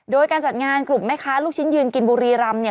โดยการจัดงานกลุ่มแม่ค้าลูกชิ้นยืนกินบุรีรำเนี่ย